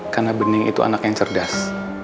karena bening itu anak yang cerdas